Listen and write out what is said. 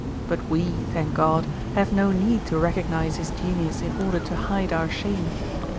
But we, thank God, have no need to recognize his genius in order to hide our shame.